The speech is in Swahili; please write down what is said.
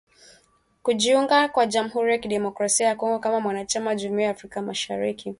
kujiunga kwa jamhuri ya kidemokrasia ya Kongo kama mwanachama wa jumuia ya Afrika Mashariki